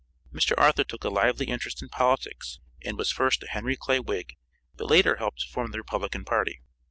Mr. Arthur took a lively interest in politics, and was first a Henry Clay Whig, but later helped to form the Republican party.